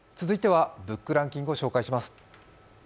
続いては、ＢＯＯＫランキングを紹介します。